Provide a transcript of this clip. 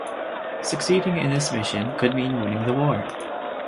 Succeeding in this mission could mean winning the war.